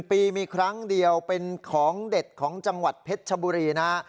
ปีมีครั้งเดียวเป็นของเด็ดของจังหวัดเพชรชบุรีนะฮะ